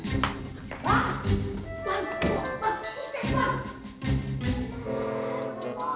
tidak mungkin ada yang tahu